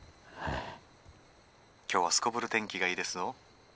今日はすこぶる天気がいいですぞ」。